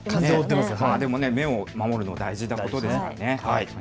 でも目を守るの、大事なことですからね。